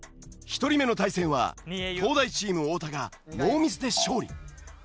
１人目の対戦は東大チーム太田がノーミスで勝利。